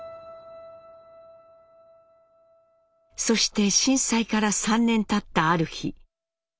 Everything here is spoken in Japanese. そして震災から３年たったある日。